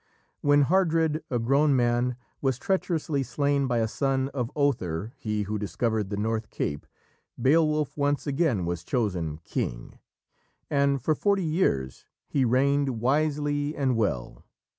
When Hardred, a grown man, was treacherously slain by a son of Othere, he who discovered the North Cape, Beowulf once again was chosen King, and for forty years he reigned wisely and well.